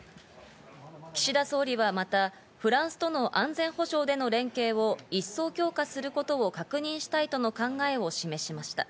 岸田総理はまた、フランスとの安全保障での連携を一層強化することを確認したいとの考えを示しました。